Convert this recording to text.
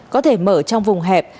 có thể mở trong vùng hẹp